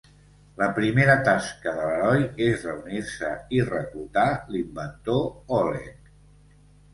La primera tasca de l'heroi és reunir-se i reclutar l'inventor Oleg.